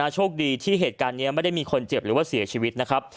โชคดีที่เหตุการณ์นี้ไม่ได้มีคนเจ็บหรือว่าเสียชีวิตนะครับ